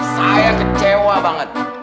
saya kecewa banget